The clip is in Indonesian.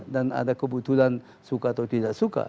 dan ada kebetulan suka atau tidak suka